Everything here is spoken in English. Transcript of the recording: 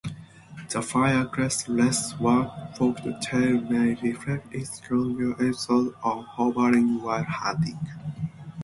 The firecrest's less forked tail may reflect its longer episodes of hovering while hunting.